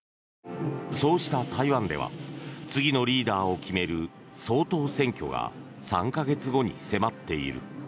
そうした台湾では次のリーダーを決める総統選挙が３か月後に迫っている。